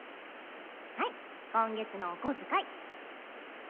はい今月のお小遣い。